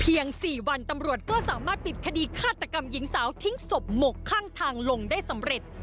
๔วันตำรวจก็สามารถปิดคดีฆาตกรรมหญิงสาวทิ้งศพหมกข้างทางลงได้สำเร็จ